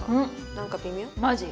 何か微妙マジ？